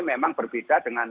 memang berbeda dengan